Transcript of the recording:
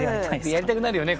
やりたくなるよね